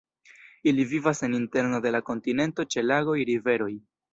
Ili vivas en interno de la kontinento ĉe lagoj, riveroj.